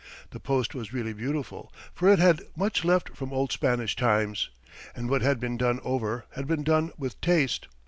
The post was really beautiful, for it had much left from old Spanish times, and what had been done over had been done with taste.